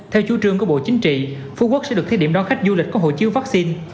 theo chú trương của bộ chính trị phú quốc sẽ được thiết điểm đón khách du lịch có hộ chiếu vaccine